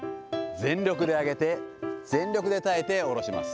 全力で上げて、全力で耐えて下ろします。